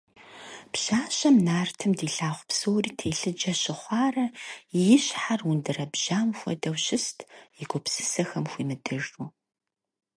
Пщащэм нартым дилъагъу псори телъыджэ щыхъуарэ и щхьэр ундэрэбжьам хуэдэу щыст, и гупсысэхэм хуимытыжу.